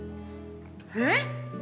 えっ？